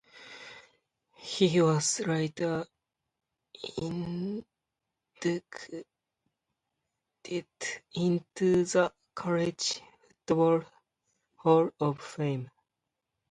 He was later inducted into the College Football Hall of Fame.